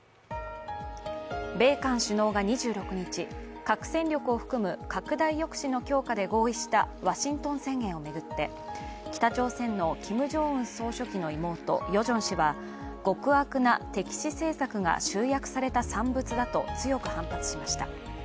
米韓首脳が２６日、核戦力を含む拡大抑止の強化で合意したワシントン宣言を巡って北朝鮮のキム・ジョンウン総書記の妹、ヨジョン氏は極悪な敵視政策が集約された産物だと強く反発しました。